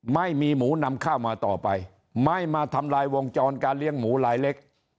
ไม่มีหมูนำข้าวมาต่อไปไม่มาทำลายวงจรการเลี้ยงหมูลายเล็ก